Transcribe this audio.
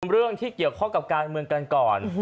เรื่องที่เกี่ยวข้องกับการเมืองกันก่อน